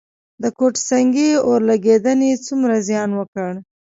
د کوټه سنګي اورلګیدنې څومره زیان وکړ؟